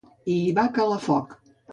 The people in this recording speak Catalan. I hi va calar foc.